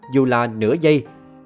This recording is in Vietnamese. dù là nửa giây